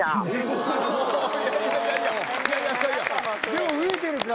でも増えてるか。